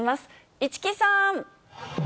市來さん。